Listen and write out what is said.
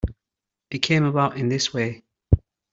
It came about in this way.